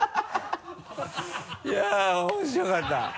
いや面白かった。